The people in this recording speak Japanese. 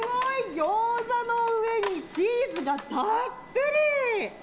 ギョーザの上にチーズがたっぷり。